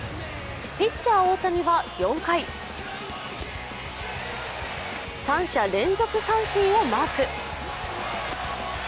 ピッチャー・大谷は４回三者連続三振をマーク。